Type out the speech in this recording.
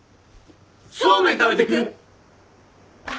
そうめん食べてく？